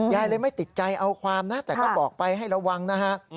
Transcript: ยายเลยไม่ติดใจเอาความนะแต่ก็บอกไปให้ระวังนะฮะ